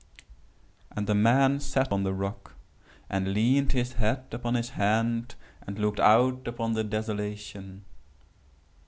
"And the man sat upon the rock, and leaned his head upon his hand, and looked out upon the desolation.